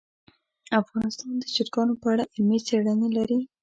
افغانستان د چرګانو په اړه علمي څېړنې لري.